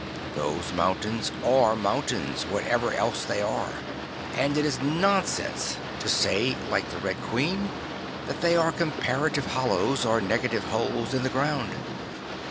Those mountains are mountains, whatever else they are, and it is nonsense to say (like the Red Queen) that they are compara tive hollows or negative holes in the ground.